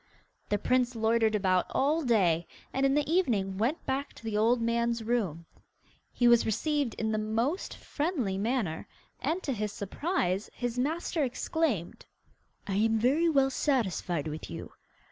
The prince loitered about all day, and in the evening went back to the old man's room. He was received in the most; friendly manner, and, to his surprise, his master exclaimed, 'I am very well satisfied with you.